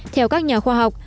theo các nhà khoa học